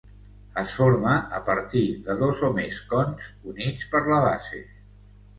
Es forma a partir de dos o més cons units per la base.